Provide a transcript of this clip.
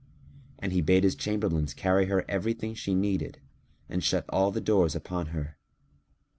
And he bade his chamberlains carry her everything she needed and shut all the doors upon her.